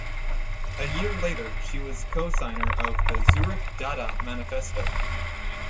A year later, she was a co-signer of the Zurich Dada Manifesto.